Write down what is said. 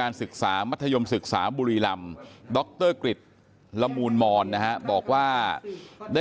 การศึกษามัธยมศึกษาบุรีรำดรกฤษละมูลมอนนะฮะบอกว่าได้